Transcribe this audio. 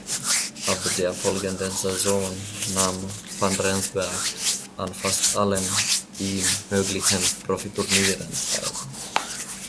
Ab der folgenden Saison nahm van Rensberg an fast allen ihm möglichen Profiturnieren teil.